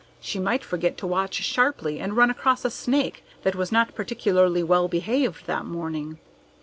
She might forget to watch sharply and run across a snake that was not particularly well behaved that morning.